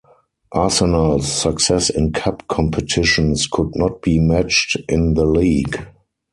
Arsenal's success in cup competitions could not be matched in the league.